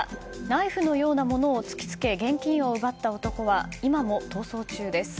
ナイフのようなものを突きつけ現金を奪った男は今も逃走中です。